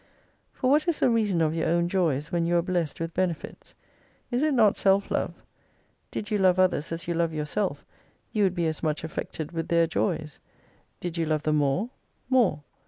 For, what is the reason of your own joys, when you are blessed with benefits ? Is it not self love ? Did you love others as you love yourself, you would be as much affected with their joys. Did you love them more, more.